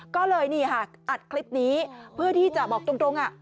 ก็เลยอัดคลิปนี้เพื่อที่จะบอกตรงอะ